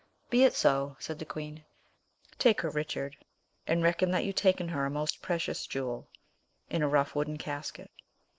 "Be it so," said the queen. "Take her, Richard, and reckon that you take in her a most precious jewel, in a rough wooden casket.